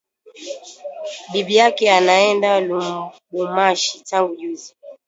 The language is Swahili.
Bibi yake anaenda lubumbashi tangu juzi